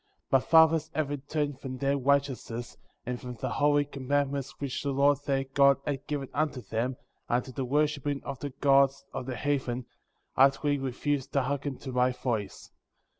^' 5. My fathers having turned from their right eousness, and from the holy commandments which the Lord their God had given unto them, unto the worshiping of the gods of the heathen,* utterly re fused to hearken to my voice ; 6.